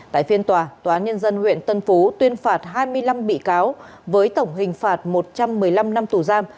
tại phiên tòa tòa nhân dân huyện tân phú tuyên phạt hai mươi năm bị cáo với tổng hình phạt một trăm một mươi năm năm tù giam